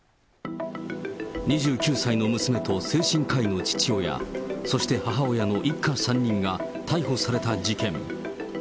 ２９歳の娘と精神科医の父親、そして母親の一家３人が逮捕された事件。